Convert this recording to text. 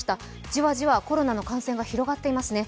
じわじわコロナの感染が広がっていますね。